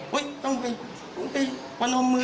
เฮ้ยต้องไปต้องไปวันอมมือ